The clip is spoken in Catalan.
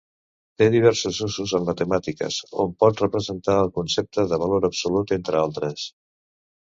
Té diversos usos en matemàtiques, on pot representar el concepte de valor absolut, entre altres.